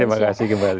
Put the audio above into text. terima kasih kembali